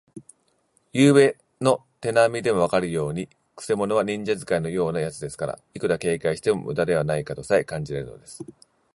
ゆうべの手なみでもわかるように、くせ者は忍術使いのようなやつですから、いくら警戒してもむだではないかとさえ感じられるのです。